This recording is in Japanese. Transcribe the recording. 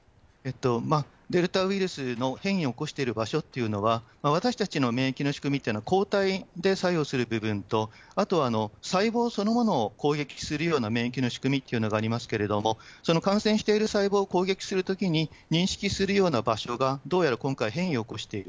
デルタウイルスの変異を起こしている場所というのは、私たちの免疫の仕組みというのは抗体で作用する部分と、あとは細胞そのものを攻撃するような免疫の仕組みというのがありますけれども、その感染している細胞を攻撃するときに、認識するような場所がどうやら今回、変異を起こしている。